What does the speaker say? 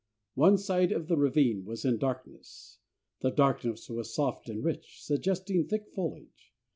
One side of the ravine was in darkness. The darkness was soft and rich, suggesting thick foliage.